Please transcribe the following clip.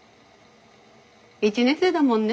１年生だもんね。